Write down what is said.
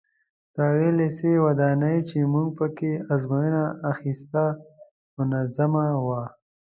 د هغه لېسې ودانۍ چې موږ په کې ازموینه اخیسته منظمه وه.